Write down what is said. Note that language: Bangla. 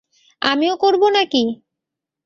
আমিও করবো নাকি?